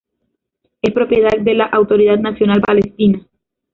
Es propiedad de la Autoridad Nacional Palestina.